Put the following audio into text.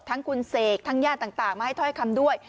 ทั้งคุณเสกทั้งญาติต่างมาให้ถ้อยคำด้วย